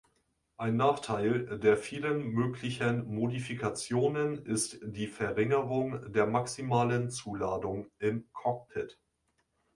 Ein Nachteil der vielen möglichen Modifikationen ist die Verringerung der maximalen Zuladung im Cockpit.